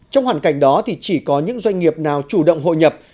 trong hoàn cảnh đó thì chỉ có những doanh nghiệp nào chủ động hội nhập